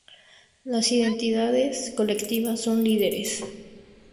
Las identidades colectivas son líderes.